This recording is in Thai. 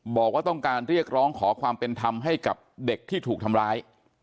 บอกว่าต้องการเรียกร้องขอความเป็นธรรมให้กับเด็กที่ถูกทำร้าย